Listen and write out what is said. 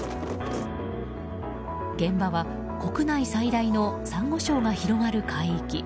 現場は国内最大のサンゴ礁が広がる海域。